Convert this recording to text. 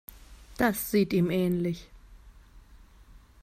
Das sieht ihm ähnlich.